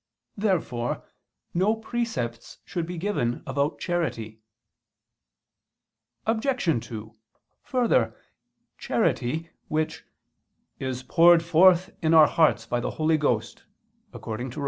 Therefore no precepts should be given about charity. Obj. 2: Further, charity, which "is poured forth in our hearts by the Holy Ghost" (Rom.